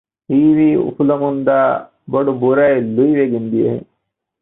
ހީވީ އުފުލަމުންދާ ބޮޑު ބުރައެއް ލުއިވެގެން ދިޔަ ހެން